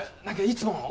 何かいつも。